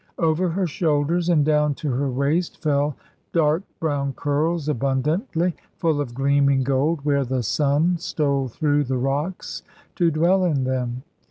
Over her shoulders, and down to her waist, fell dark brown curls abundantly, full of gleaming gold where the sun stole through the rocks to dwell in them.